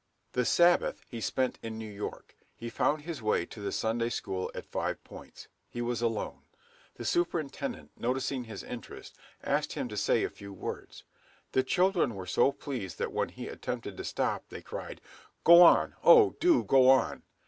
The sabbath he spent in New York, he found his way to the Sunday school at Five Points. He was alone. The superintendent noticing his interest, asked him to say a few words. The children were so pleased that when he attempted to stop, they cried, "Go on, oh! do go on!"